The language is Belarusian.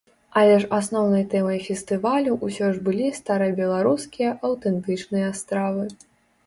Але ж асноўнай тэмай фестывалю ўсё ж былі старабеларускія аўтэнтычныя стравы.